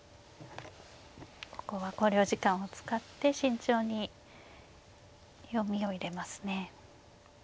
ここは考慮時間を使って慎重に読みを入れますね。